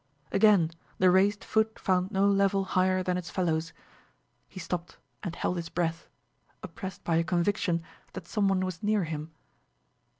Again the raised foot found no level higher than its fellows. He stopped and held his breath, oppressed by a conviction that some one was near him.